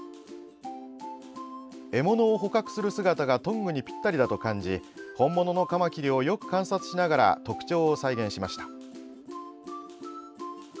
獲物を捕獲する姿がトングにぴったりだと感じ本物のかまきりをよく観察しながら特徴を再現しました。